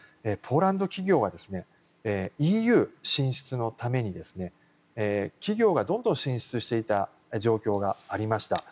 ポーランド企業はＥＵ進出のために企業がどんどん進出していた状況がありました。